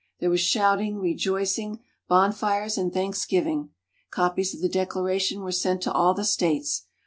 There was shouting, rejoicing, bonfires, and thanksgiving. Copies of the Declaration were sent to all the States.